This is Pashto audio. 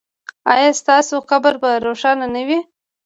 ایا ستاسو قبر به روښانه نه وي؟